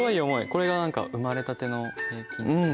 これが何か生まれたての平均？